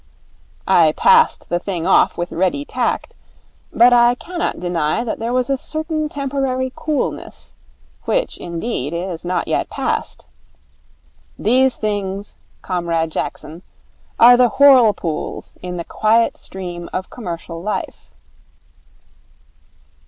I passed the thing off with ready tact, but I cannot deny that there was a certain temporary coolness, which, indeed, is not yet past. These things, Comrade Jackson, are the whirlpools in the quiet stream of commercial life.'